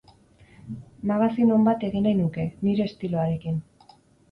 Magazin on bat egin nahi nuke, nire estiloarekin.